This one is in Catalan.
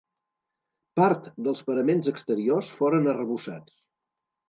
Part dels paraments exteriors foren arrebossats.